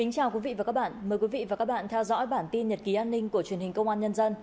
chào mừng quý vị đến với bản tin nhật ký an ninh của truyền hình công an nhân dân